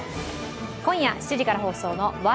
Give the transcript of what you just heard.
今夜７時から放送の「笑